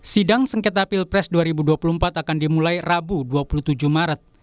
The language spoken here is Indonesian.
sidang sengketa pilpres dua ribu dua puluh empat akan dimulai rabu dua puluh tujuh maret